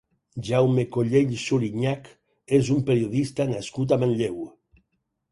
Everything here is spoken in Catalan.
Jaume Collell Surinyach és un periodista nascut a Manlleu.